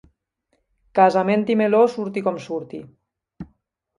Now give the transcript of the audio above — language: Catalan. Casament i meló, surti com surti.